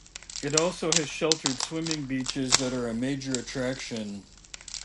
It also has sheltered swimming beaches that are a major attraction.